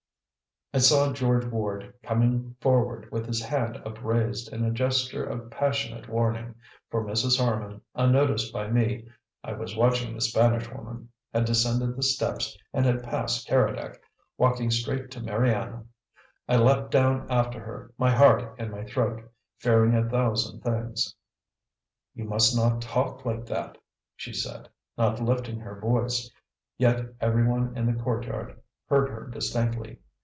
I saw George Ward come running forward with his hand upraised in a gesture of passionate warning, for Mrs. Harman, unnoticed by me I was watching the Spanish woman had descended the steps and had passed Keredec, walking straight to Mariana. I leaped down after her, my heart in my throat, fearing a thousand things. "You must not talk like that," she said, not lifting her voice yet every one in the courtyard heard her distinctly.